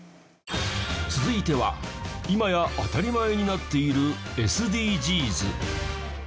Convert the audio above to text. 続いては今や当たり前になっているＳＤＧｓ。